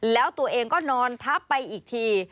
แล้วตัวเองก็นอนทับไปอีกที